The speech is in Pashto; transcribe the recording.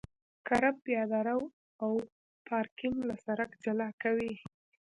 کرب پیاده رو او پارکینګ له سرک جلا کوي